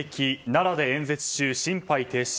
奈良で演説中、心肺停止。